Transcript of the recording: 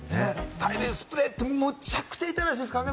催涙スプレーってむちゃくちゃ痛いらしいですからね。